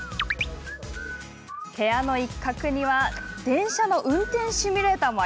部屋の一角には電車の運転シミュレーターも。